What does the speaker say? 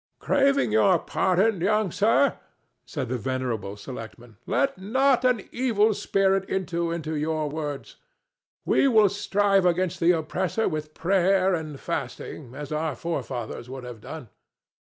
"Craving your pardon, young sir," said the venerable selectman, "let not an evil spirit enter into your words. We will strive against the oppressor with prayer and fasting, as our forefathers would have done.